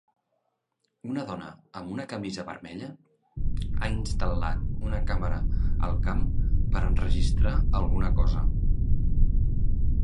Una dona amb una camisa vermella ha instal·lat una càmera al camp per enregistrar alguna cosa.